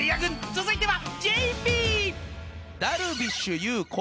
続いては］